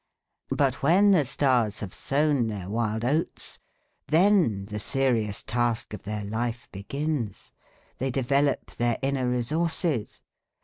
But when the stars have sown their wild oats, then the serious task of their life begins, they develop their inner resources.